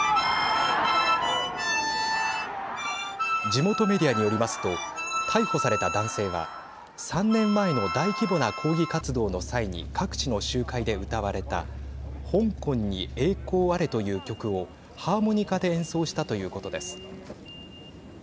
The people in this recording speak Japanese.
地元メディアによりますと逮捕された男性は３年前の大規模な抗議活動の際に各地の集会で歌われた「香港に栄光あれ」という曲をハーモニカで演奏したということです。